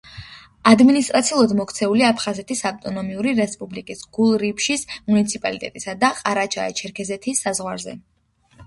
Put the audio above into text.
ადმინისტრაციულად მოქცეულია აფხაზეთის ავტონომიური რესპუბლიკის გულრიფშის მუნიციპალიტეტისა და ყარაჩაი-ჩერქეზეთის საზღვარზე.